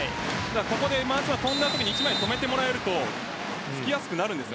ここで跳んだときに１枚止めてもらえるとつきやすくなるんです。